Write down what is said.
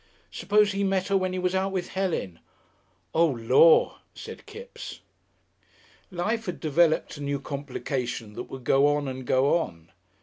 Suppose he met her when he was out with Helen! "Oh, Lor'!" said Kipps. Life had developed a new complication that would go on and go on.